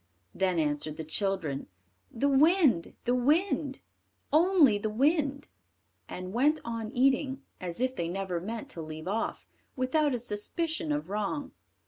Then answered the children: "The wind, the wind, Only the wind," and went on eating as if they never meant to leave off, without a suspicion of wrong.